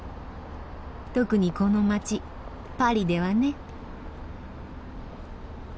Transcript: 特にこの街パリではね。